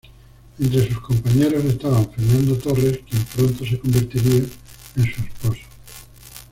Entre sus compañeros estaban Fernando Torres, quien pronto se convertiría en su esposo.